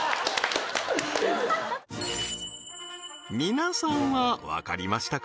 皆さんはわかりましたか？